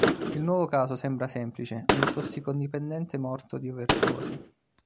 Il nuovo caso sembra semplice: un tossicodipendente morto di overdose.